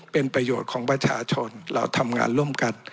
เป็นประโยชน์ของประชาชนเราทำงานร่วมกัน